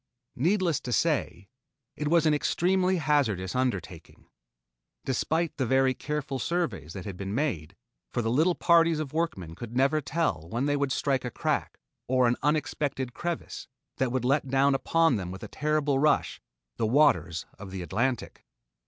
Needless to say, it was an extremely hazardous undertaking, despite the very careful surveys that had been made, for the little parties of workmen could never tell when they would strike a crack or an unexpected crevice that would let down upon them with a terrible rush, the waters of the Atlantic.